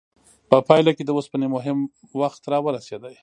په پایله کې د اوسپنې مهم وخت راورسید.